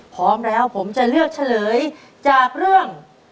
พร้อมแล้วผมจะเลือกเฉลยจากเรื่อง